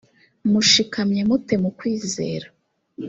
mushikamye mu te mukwizera